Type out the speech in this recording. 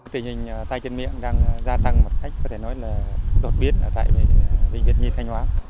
tình hình tay chân miệng đang gia tăng một cách có thể nói là đột biến tại bệnh viện nhi thanh hóa